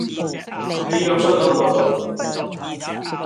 你又收到冇